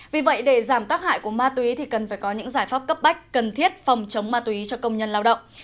vì vậy để giảm tác hại của ma túy thì cần phải có những giải pháp cấp bách cần thiết phòng chống ma túy cho công nhân lao động